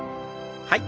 はい。